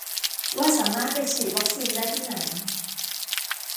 ว่าสามารถไปฉีดวัคซีนได้ที่ไหน